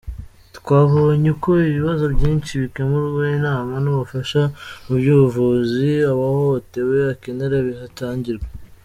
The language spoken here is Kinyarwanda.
Twabonye uko ibibazo byinshi bikemurwa, inama n’ubufasha mu by’ubuvuzi uwahohotewe akenera bihatangirwa.